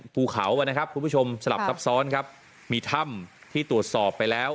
ภูเขานะครับคุณผู้ชมสลับซับซ้อนครับมีถ้ำที่ตรวจสอบไปแล้ว